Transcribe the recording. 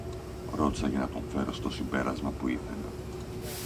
ρώτησα για να τον φέρω στο συμπέρασμα που ήθελα.